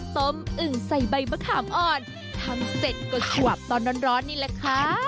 ต้มอึ่งใส่ใบมะขามอ่อนทำเสร็จก็ฉวับตอนร้อนนี่แหละค่ะ